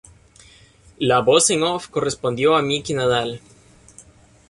La voz en "off" correspondió a Miki Nadal.